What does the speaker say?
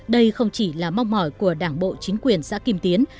đây không chỉ là mong mỏi của đảng bộ chính quyền xã kim tiến